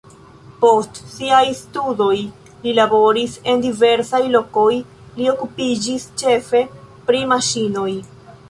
Post siaj studoj li laboris en diversaj lokoj, li okupiĝis ĉefe pri maŝinoj.